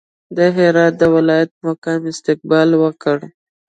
د هرات د ولایت مقام استقبال وکړ.